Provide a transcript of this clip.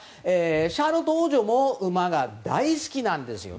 シャーロット王女も馬が大好きなんですよ。